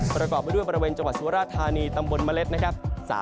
ประกอบไปด้วยบริเวณจังหวัดสุราธานีตำบลเมล็ดนะครับ